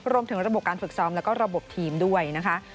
รวมถึงระบบการฝึกซ้อมแล้วก็ระบบทีมด้วยนะคะ